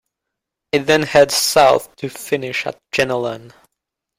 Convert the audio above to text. It then heads south to finish at Jenolan.